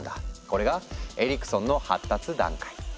これが「エリクソンの発達段階」。